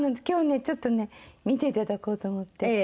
今日ねちょっとね見ていただこうと思って。